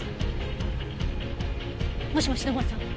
もしもし土門さん？